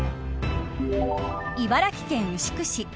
茨城県牛久市。